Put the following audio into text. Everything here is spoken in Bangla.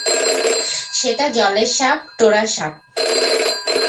সেটা জলের সাপ, টোড়া সাপ।